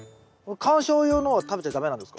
観賞用のは食べちゃ駄目なんですか？